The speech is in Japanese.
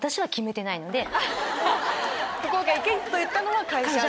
福岡行け！と言ったのは会社。